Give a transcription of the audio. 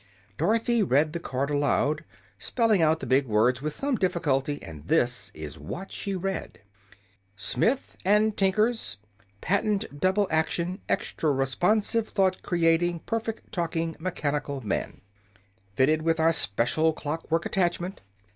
Dorothy read the card aloud, spelling out the big words with some difficulty; and this is what she read: ++||| SMITH & TINKER'S || Patent Double Action, Extra Responsive, || Thought Creating, Perfect Talking || MECHANICAL MAN || Fitted with our Special Clock Work Attachment.